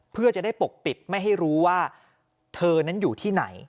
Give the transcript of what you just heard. เพื่อจะได้ปกปิดไม่ให้รู้ว่าเธอนั้นอยู่ที่ไหน